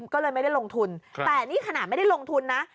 ก็เลยไม่ได้ลงทุนแต่นี่ขนาดไม่ได้ลงทุนนะ